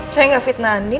saya gak fitnah andien